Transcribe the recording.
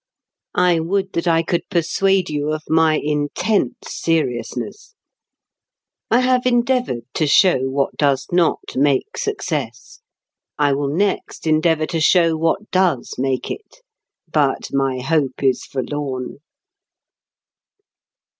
I would that I could persuade you of my intense seriousness! I have endeavoured to show what does not make success. I will next endeavour to show what does make it. But my hope is forlorn.